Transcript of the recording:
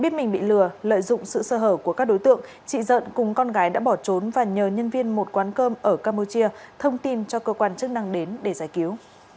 tin lời đối tượng chị võ thị dợn cùng với con gái lén lút qua đường tiểu ngạch xuất cảnh trái phép sang campuchia